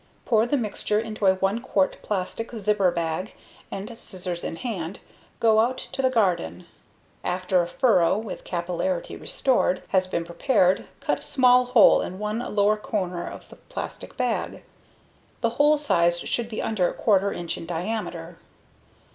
Pour the mixture into a 1 quart plastic zipper bag and, scissors in hand, go out to the garden. After a furrow with capillarity restored has been prepared, cut a small hole in one lower corner of the plastic bag. The hole size should be under 1/4 inch in diameter.